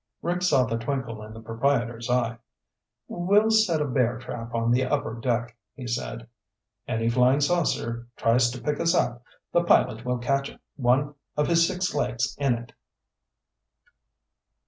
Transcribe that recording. Rick saw the twinkle in the proprietor's eye. "We'll set a bear trap on the upper deck," he said. "Any flying saucer tries to pick us up, the pilot will catch one of his six legs in it."